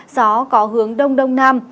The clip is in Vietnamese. gió có hướng đông đông nam